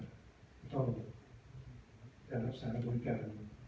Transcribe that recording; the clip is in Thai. ก็ต้องการรักษาบนการ